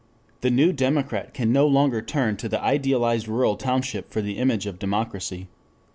The new democrat can no longer turn to the idealized rural township for the image of democracy.